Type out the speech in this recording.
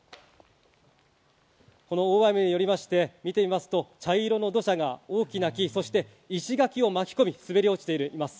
大雨によりまして茶色の土砂が大きな木、そして石垣を巻き込み、滑り落ちています。